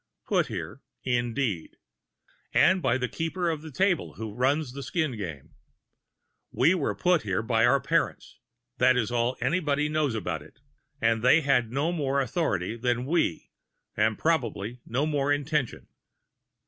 "Put here." Indeed! And by the keeper of the table who "runs" the "skin game." We were put here by our parents that is all anybody knows about it; and they had no more authority than we, and probably no more intention.